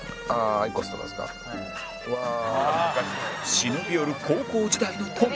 忍び寄る高校時代のトミ